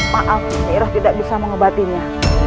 maaf niroh tidak bisa mengebatinya